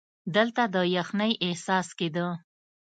دلته د یخنۍ احساس کېده.